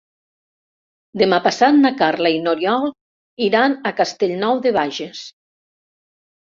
Demà passat na Carla i n'Oriol iran a Castellnou de Bages.